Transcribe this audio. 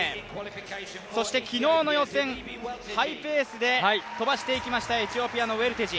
そして昨日の予選、ハイペースで飛ばしていきましたエチオピアのウェルテジ。